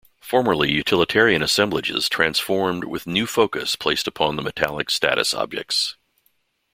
Formerly utilitarian assemblages transformed, with new focus placed upon metallic status objects.